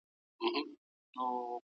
تر راتلونکي جمعې به موږ کلي ته تللي یو.